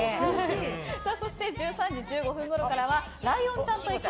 そして、１３時１５分ごろからはライオンちゃんと行く！